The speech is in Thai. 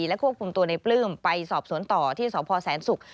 และควบคุมตัวในปลื้มไปสอบสวนต่อที่สพแสนศุกร์